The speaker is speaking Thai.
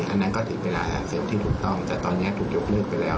อันนั้นก็ถือเป็นอาหารเสริมที่ถูกต้องแต่ตอนนี้ถูกยกเลิกไปแล้ว